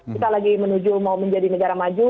kita lagi menuju mau menjadi negara maju